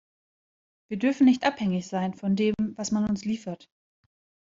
Wir dürfen nicht abhängig sein von dem, was man uns liefert.